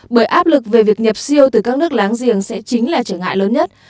bởi áp lực về việc nhập siêu từ các nước láng giềng sẽ chính là trở ngại lớn nhất